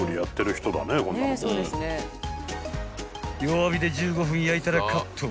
［弱火で１５分焼いたらカット］